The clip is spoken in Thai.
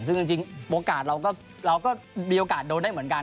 ซึ่งจริงโอกาสเราก็มีโอกาสโดนได้เหมือนกัน